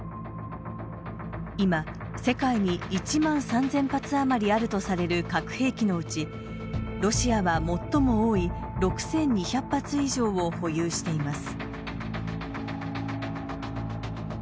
今、世界に１万３０００発あまりあるとされる核兵器のうちロシアは最も多い６２００発以上を保有しています。